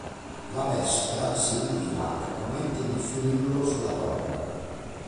La Bestia si ritira e promette di finirlo sulla torre.